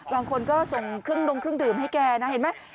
บางคนก็ส่งเครื่องดงเครื่องดื่มให้แกนะเห็นไหม